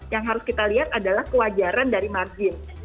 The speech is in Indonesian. yang harus kita lihat adalah kewajaran dari margin